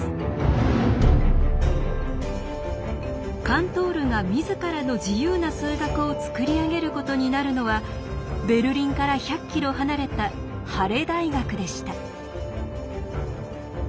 カントールが自らの自由な数学を作り上げることになるのはベルリンから１００キロ離れたハレ大学でした。